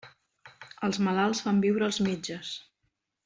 Els malalts fan viure els metges.